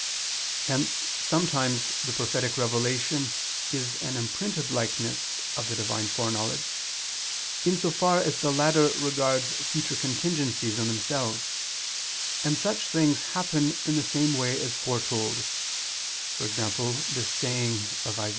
Hence sometimes the prophetic revelation is an imprinted likeness of the Divine foreknowledge, in so far as the latter regards future contingencies in themselves: and such things happen in the same way as foretold, for example this saying of Isa.